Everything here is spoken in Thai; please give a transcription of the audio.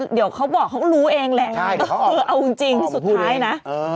เดี๋ยวเขาบอกเขาก็รู้เองแหละเออเอาจริงสุดท้ายนะ